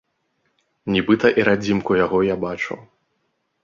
Нібыта і радзімку яго я бачу.